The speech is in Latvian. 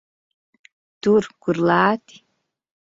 Tur, kur lēti.